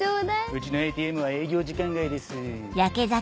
うちのＡＴＭは営業時間外です。